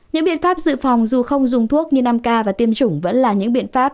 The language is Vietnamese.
những biện pháp dự phòng dù không dùng thuốc nhưng năm ca và tiêm chủng vẫn là những biện pháp